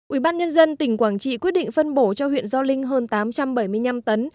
ủy ban nhân dân tỉnh quảng trị quyết định phân bổ cho huyện gio linh hơn tám trăm bảy mươi năm tấn